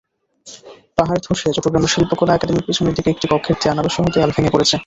পাহাড়ধসে চট্টগ্রামের শিল্পকলা একাডেমীর পেছনের দিকে একটি কক্ষের জানালাসহ দেয়াল ভেঙে পড়েছে।